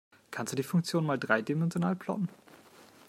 Kannst du die Funktion mal dreidimensional plotten?